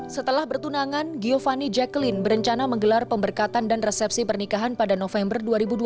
setelah bertunangan giovanni jacqueline berencana menggelar pemberkatan dan resepsi pernikahan pada november dua ribu dua puluh